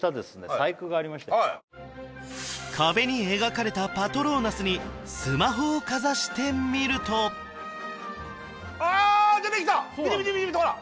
細工がありまして壁に描かれたパトローナスにスマホをかざしてみると見て見て見て見てほら！